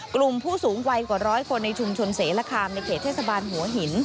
กลุ่มผู้สูงวัยกว่าร้อยคนในชุมชนเสรคามในเขตเทศบาลหัวหิน